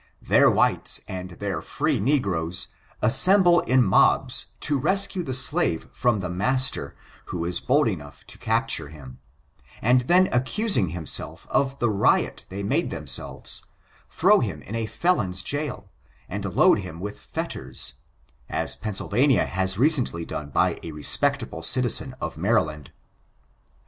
Their whites and their free negroes assemble in mobs to lescue the slave from the roaster who is bold enough to capture him, and then accusing himself of the riot they made themselves, throw him in a felon's jail, and load him with fetters, as Pennsylvania has recently done by a respectable citizen of Maryland.